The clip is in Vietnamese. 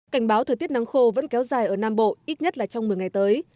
cảnh báo thời tiết nắng khô vẫn kéo dài ở nam bộ ít nhất là trong một mươi ngày tới